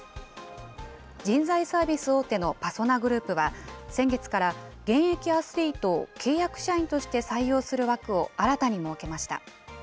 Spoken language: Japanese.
人材サービス大手のパソナグループは、先月から現役アスリートを契約社員として採用する枠を新たに設けました。